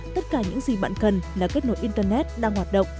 tất cả những gì bạn cần là kết nối internet đang hoạt động